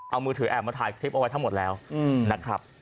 เอามือถือแอบมาถ่ายคลิปเอาไว้ทั้งหมดแล้วนะครับ